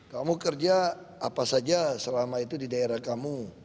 kamu kerja apa saja selama itu di daerah kamu